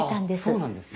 そうなんですね。